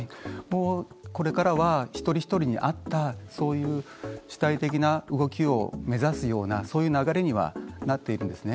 もうこれからは一人一人に合ったそういう主体的な動きを目指すような流れにはなっているんですね。